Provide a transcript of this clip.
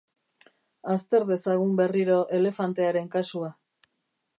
Azter dezagun berriro elefantearen kasua.